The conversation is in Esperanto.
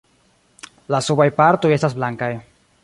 La subaj partoj estas blankaj.